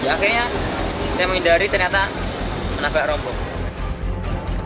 akhirnya saya menghindari ternyata menabrak rombong